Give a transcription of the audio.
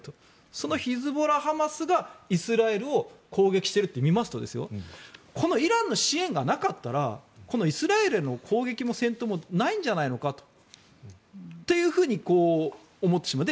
そのヒズボラ、ハマスがイスラエルを攻撃していると見ますとイランの支援がなかったらイスラエルの攻撃も戦闘もないんじゃないのかと思ってしまう。